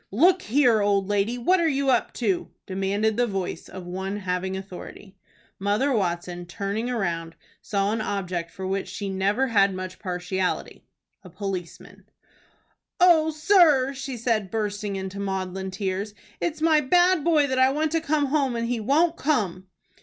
"Look here, old lady, what are you up to?" demanded the voice of one having authority. Mother Watson, turning round, saw an object for which she never had much partiality, a policeman. "O sir," said she, bursting into maudlin tears, "it's my bad boy that I want to come home, and he won't come."